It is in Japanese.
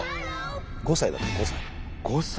５歳だったの５歳。